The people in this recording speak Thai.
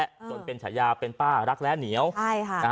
จนเป็นฉายาเป็นป้ารักและเหนียวใช่ค่ะนะฮะ